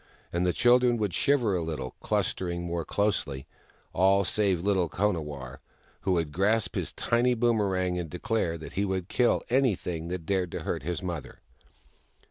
And the cliildren would shiver a little, clustering more closely — aU save little Konawarr, who would grasp his tiny boomerang and declare that he would kill anything that dared to hurt his mother.